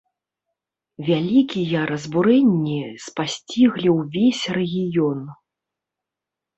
Вялікія разбурэнні спасціглі ўвесь рэгіён.